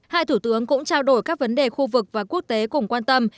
hai thủ tướng cũng trao đổi các vấn đề khu vực và quốc tế cùng quan tâm